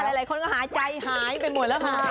หายค่ะหลายคนก็หาใจหายไปหมดแล้วค่ะ